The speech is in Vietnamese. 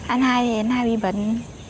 anh hai thì anh hai bị bệnh